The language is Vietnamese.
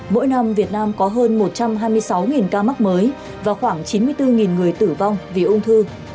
mỗi năm việt nam có hơn một trăm hai mươi sáu ca mắc mới và khoảng chín mươi bốn người tử vong vì ung thư